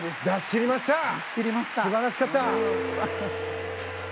出し切りました。